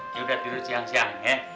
ya udah duru siang siang ya